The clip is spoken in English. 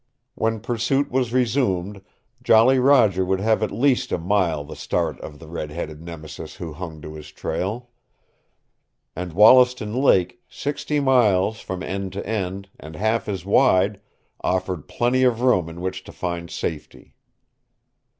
When pursuit was resumed Jolly Roger would have at least a mile the start of the red headed nemesis who hung to his trail. And Wollaston Lake, sixty miles from end to end, and half as wide, offered plenty of room in which to find safety.